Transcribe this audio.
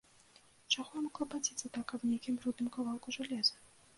Чаго яму клапаціцца так аб нейкім брудным кавалку жалеза?